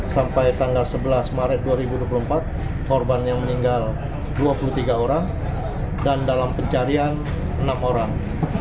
sampai tanggal sebelas maret dua ribu dua puluh empat korban yang meninggal dua puluh tiga orang dan dalam pencarian enam orang